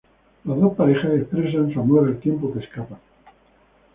Las dos parejas expresan su amor al tiempo que escapan.